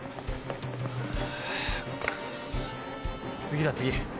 次だ次。